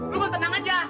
lo mau tenang aja